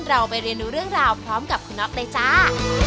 เราไปเรียนดูเรื่องราวพร้อมกับคุณน็อตเลยจ้า